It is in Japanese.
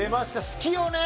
好きよね